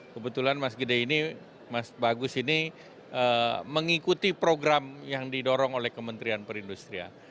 kebetulan mas gede ini mas bagus ini mengikuti program yang didorong oleh kementerian perindustrian